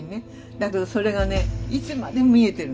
だけどそれがねいつまでも見えてるの。